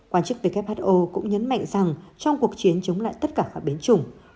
quan chức who cũng nhấn mạnh rằng trong cuộc chiến chống lại tất cả các biến chủng